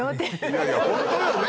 いやいやホントよね